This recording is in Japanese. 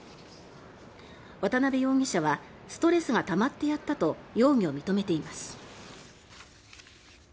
渡辺容疑者はストレスがたまってやったと容疑を認めています。